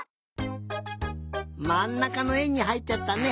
まんなかのえんにはいっちゃったね。